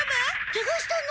ケガしたの！？